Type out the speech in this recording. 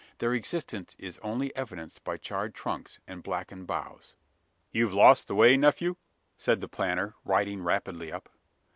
Their existence is only evidenced by charred trunks, and blackened boughs. "You've lost the way, nephew?" said the planter, riding rapidly up.